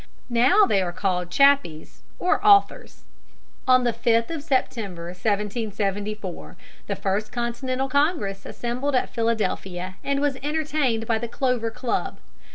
Now they are called Chappies or Authors. On the 5th of September, 1774, the first Continental Congress assembled at Philadelphia and was entertained by the Clover Club.